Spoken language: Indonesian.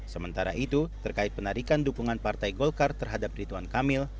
sementara itu terkait penarikan dukungan partai golkar terhadap rituan kamil